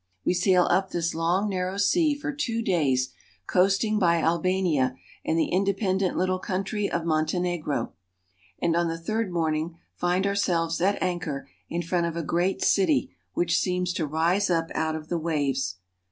We sail up this long narrow sea for two days, coasting by Albania and the inde pendent little country of Montenegro (see map, p. 406), and on the third morning find ourselves at anchor in front of a great city which seems to rise up out of the waves.